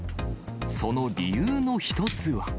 その理由の一つは。